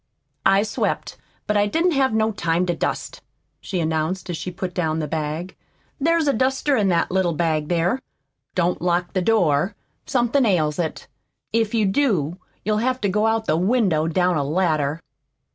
"I swept, but I didn't have no time to dust," she announced as she put down the bag. "There's a duster in that little bag there. Don't lock the door. Somethin' ails it. If you do you'll have to go out the window down a ladder.